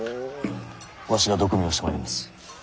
わしが毒味をしてまいります。